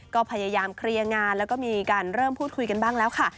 ก็พยายามเคลียร์งานแล้วก็มีการเริ่มพูดคุยกันบ้างแล้วค่ะ